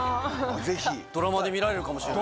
ドラマで見られるかもしれない。